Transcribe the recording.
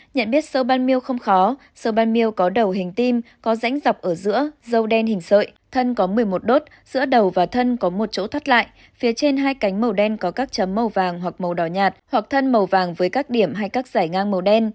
nhận biết sơ ban miêu không khó sơ ban miêu có đầu hình tim có rãnh dọc ở giữa dâu đen hình sợi thân có một mươi một đốt giữa đầu và thân có một chỗ thoát lại phía trên hai cánh màu đen có các chấm màu vàng hoặc màu đỏ nhạt hoặc thân màu vàng với các điểm hay các giải ngang màu đen